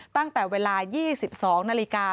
ตั้งแต่เวลา๒๒นาฬิกา